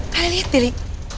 kalian lihat dili